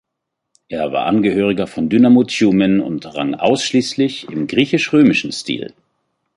Er war Angehöriger von Dynamo Tjumen und rang ausschließlich im griechisch-römischen Stil.